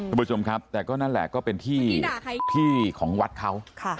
คุณผู้ชมครับแต่ก็นั่นแหละก็เป็นที่ของวัดเขา